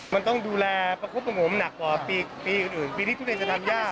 มันต้องดูแลประคบประงมหนักกว่าปีอื่นปีที่ทุเรียนจะทำยาก